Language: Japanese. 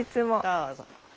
どうぞ。